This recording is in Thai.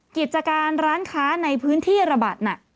กิจการร้านค้าในพื้นที่ระบาดหนัก